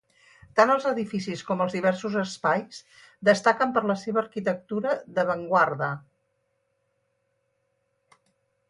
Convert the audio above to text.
Tant els edificis com els diversos espais destaquen per la seva arquitectura d'avantguarda.